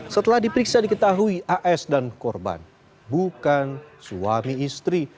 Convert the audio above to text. setelah diperiksa diketahui as dan korban bukan suami istri